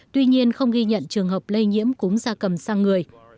tuy nhiên không ghi nhận trường hợp lây nhiễm cúm da cầm sang người